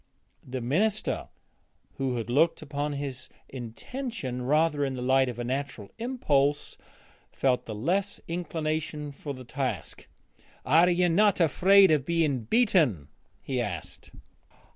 The minister, who had looked upon his intention rather in the light of natural impulse, felt the less inclination for the task. 'Are you not afraid of being beaten?' he asked.